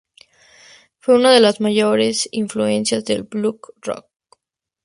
Fue unas de las mayores influencias del "blues rock".